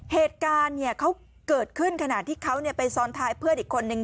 เหตุการณ์เขาเกิดขึ้นขณะที่เขาไปซ้อนท้ายเพื่อนอีกคนนึง